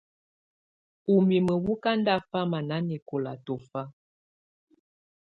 Úmimǝ́ wɔ́ ká ndáfamá nanɛkɔla tɔfa.